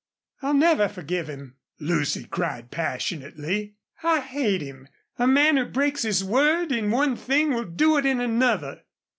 "I'll never forgive him," Lucy cried, passionately. "I hate him. A man who breaks his word in one thing will do it in another."